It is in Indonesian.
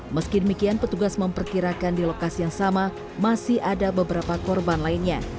meski demikian petugas memperkirakan di lokasi yang sama masih ada beberapa korban lainnya